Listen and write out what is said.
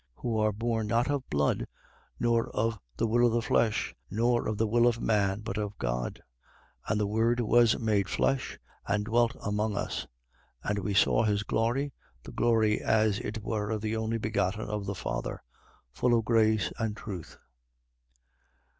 1:13. Who are born, not of blood, nor of the will of the flesh, nor of the will of man, but of God. 1:14. And the Word was made flesh and dwelt among us (and we saw his glory, the glory as it were of the only begotten of the Father), full of grace and truth.